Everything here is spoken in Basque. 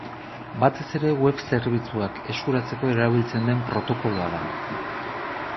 Batez ere web zerbitzuak eskuratzeko erabiltzen den protokoloa da.